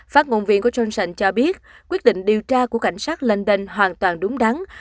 phát ngôn viện của johnson cho biết quyết định điều tra của cảnh sát london hoàn toàn đúng đắn